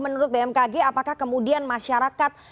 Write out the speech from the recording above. menurut bmkg apakah kemudian masyarakat